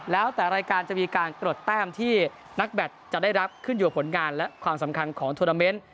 แล้วแต่รายการจะมีการกรดแต้มที่นักแบตจะได้รับขึ้นอยู่กับผลงานและความสำคัญของทวนาเมนต์